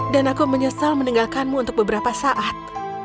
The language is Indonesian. dan aku menyesal meninggalkanmu untuk beberapa saat